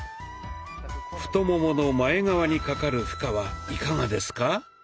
太ももの前側にかかる負荷はいかがですか？